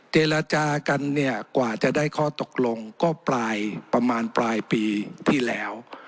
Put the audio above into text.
เจรจากันเนี่ยกว่าจะได้ข้อตกลงก็ปลายประมาณปลายปีที่แล้ว